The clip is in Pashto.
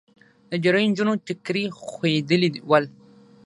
د ډېریو نجونو ټیکري خوېدلي ول.